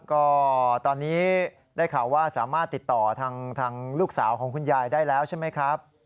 ก็ตอนนี้ได้ข่าวว่าสามารถติดต่อทางลูกสาวของคุณยายได้แล้วใช่ไหมครับ